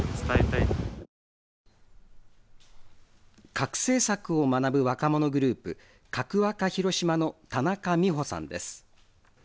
核政策を学ぶ若者グループ、カクワカ広島の田中美穂さんです。